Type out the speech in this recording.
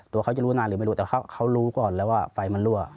ตัวเขาจะรู้นานหรือไม่รู้แต่เขารู้ก่อนแล้วว่าไฟมันรั่ว